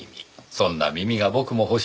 そんな耳が僕も欲しい。